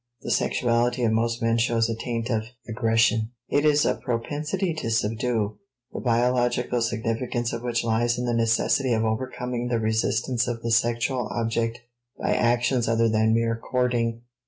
The sexuality of most men shows a taint of aggression, it is a propensity to subdue, the biological significance of which lies in the necessity of overcoming the resistance of the sexual object by actions other than mere courting.